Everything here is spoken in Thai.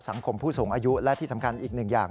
ผู้สูงอายุและที่สำคัญอีกหนึ่งอย่าง